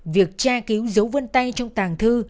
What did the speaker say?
việc tra cứu dấu vân tay trong tàng thư